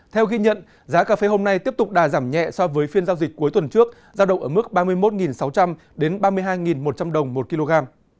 theo ghi nhận giá cà phê hôm nay tiếp tục đà giảm nhẹ so với phiên giao dịch cuối tuần trước giao động ở mức ba mươi một sáu trăm linh đến ba mươi hai một trăm linh đồng một kg